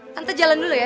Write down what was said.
nanti jalan dulu ya